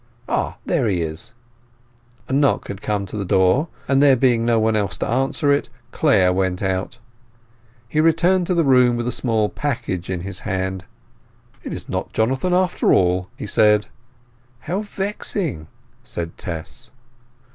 Ah, there he is!" A knock had come to the door, and, there being nobody else to answer it, Clare went out. He returned to the room with a small package in his hand. "It is not Jonathan, after all," he said. "How vexing!" said Tess.